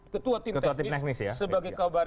ketua tim teknis ketua tim teknis ya sebagai kabar